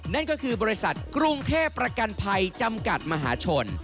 นั่นก็คือบริษัทกรุงเทพประกันภัยจำกัดมหาชน